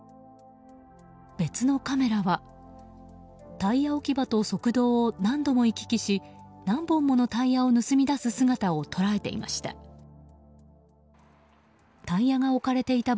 別のカメラはタイヤ置き場と側道を何度も行き来し何本ものタイヤを盗み出す姿を捉えていました。